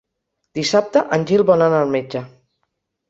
Dissabte en Gil vol anar al metge.